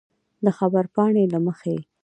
د خبرپاڼې له مخې